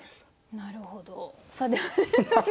なるほど。